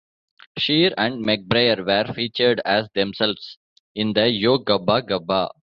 Scheer and McBrayer were featured as themselves in the Yo Gabba Gabba!